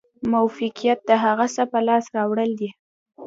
موفقیت د هغه څه په لاس راوړل دي.